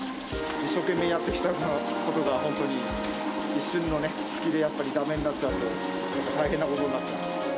一生懸命やってきたことが、本当に一瞬の隙で、やっぱりだめになっちゃうので、大変なことになっちゃうんで。